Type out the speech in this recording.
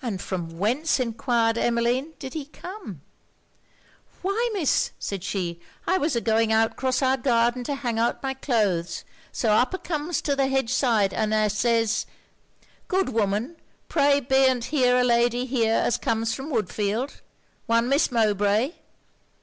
'And from whence,' enquired Emmeline, 'did he come?' 'Why, Miss,' said she, 'I was a going out cross our garden to hang out my cloaths; so up a comes to the hedge side, an a says Good woman, pray be'nt here a lady here as comes from Woodfield? one Miss Mowbray?